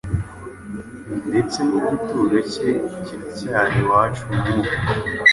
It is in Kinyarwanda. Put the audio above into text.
ndetse n’igituro cye kiracyari iwacu n’ubu.